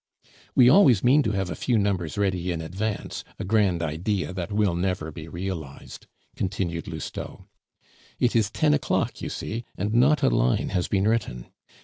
"We always mean to have a few numbers ready in advance, a grand idea that will never be realized," continued Lousteau. "It is ten o'clock, you see, and not a line has been written.